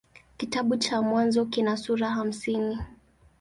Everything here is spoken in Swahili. Kitabu cha Mwanzo kina sura hamsini.